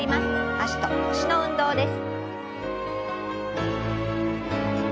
脚と腰の運動です。